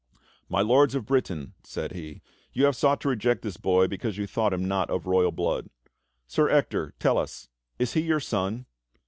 "My Lords of Britain," said he, "you have sought to reject this boy because you thought him not of roj^al blood. Sir Ector, tell us, is he your son.